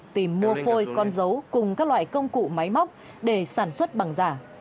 tìm mua phôi con dấu cùng các loại công cụ máy móc để sản xuất bằng giả